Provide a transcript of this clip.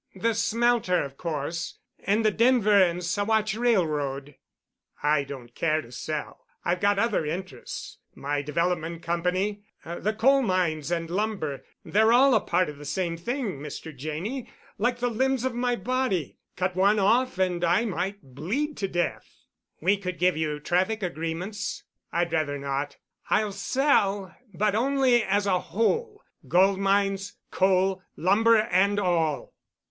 "The smelter, of course—and the Denver and Saguache Railroad." "I don't care to sell—I've got other interests—my Development Company, the coal mines and lumber—they're all a part of the same thing, Mr. Janney, like the limbs of my body—cut one off, and I might bleed to death." "We could give you traffic agreements." "I'd rather not. I'll sell—but only as a whole—gold mines, coal, lumber, and all."